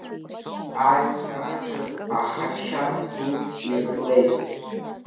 Аҩцараҿы аҳаԥшьа ду хиртлеит.